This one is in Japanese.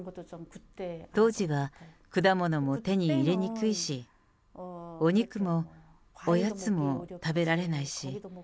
当時は果物も手に入れにくいし、お肉もおやつも食べられないし。